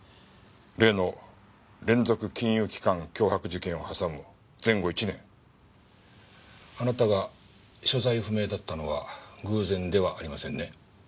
例の連続金融機関脅迫事件を挟む前後１年あなたが所在不明だったのは偶然ではありませんね？